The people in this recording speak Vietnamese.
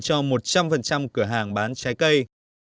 cho một trăm linh cửa hàng bán trái cây